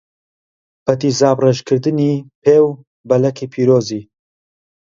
بە تیزابڕێژکردنی پێ و بەلەکی پیرۆزی